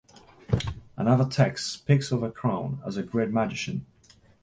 Another text speaks of a crown as a "great magician."